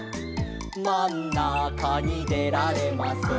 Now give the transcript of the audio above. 「まんなかにでられません」